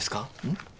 ん？